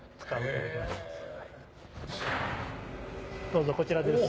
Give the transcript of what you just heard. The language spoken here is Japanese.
どうぞこちらです。